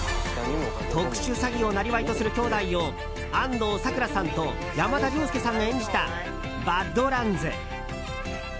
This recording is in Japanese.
特殊詐欺を生業とする姉弟を安藤サクラさんと山田涼介さんが演じた「ＢＡＤＬＡＮＤＳバッド・ランズ」。